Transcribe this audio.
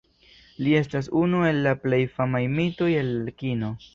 Li estas unu el la plej famaj mitoj el kino.